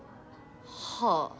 はあ。